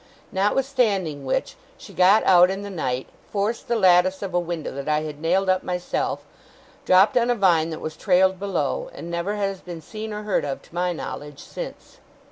Notwithstanding which, she got out in the night; forced the lattice of a window, that I had nailed up myself; dropped on a vine that was trailed below; and never has been seen or heard of, to my knowledge, since.